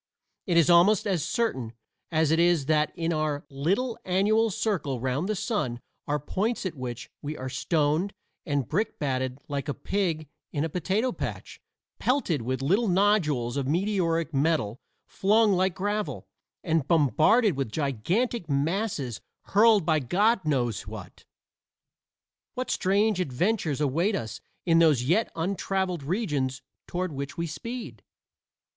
It is almost as certain as it is that in our little annual circle round the sun are points at which we are stoned and brick batted like a pig in a potato patch pelted with little nodules of meteoric metal flung like gravel, and bombarded with gigantic masses hurled by God knows what? What strange adventures await us in those yet untraveled regions toward which we speed?